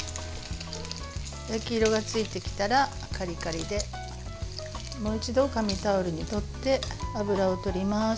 焼き色がついてきたらカリカリでもう一度、紙タオルに取って油を取ります。